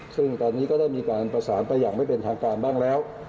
ซึ่งตอนนี้ก็ได้มีการประสานไปอย่างไม่เป็นทางการบ้างแล้ว